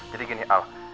jadi gini al